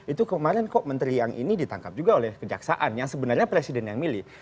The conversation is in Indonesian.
itu kemarin kok menteri yang ini ditangkap juga oleh kejaksaan yang sebenarnya presiden yang milih